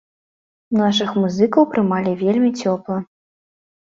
Нашых музыкаў прымалі вельмі цёпла.